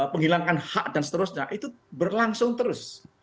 penghilangkan hak dan seterusnya itu berlangsung terus